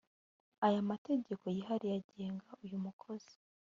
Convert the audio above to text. aya mategeko yihariye agenga uyu mukozi